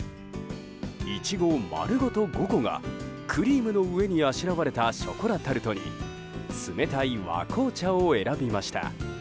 イチゴ丸ごと５個がクリームの上にあしらわれたショコラタルトに冷たい和紅茶を選びました。